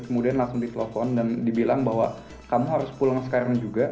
kemudian langsung ditelepon dan dibilang bahwa kamu harus pulang sekarang juga